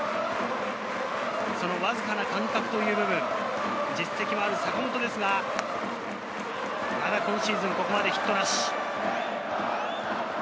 そのわずかな感覚という部分、実績のある坂本ですが、ただ、まだ今シーズン、ここまでヒットなし。